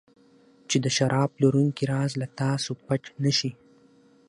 چې د شراب پلورونکي راز له تاسو پټ نه شي.